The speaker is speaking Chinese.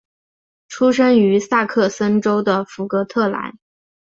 出生于萨克森州的福格特兰。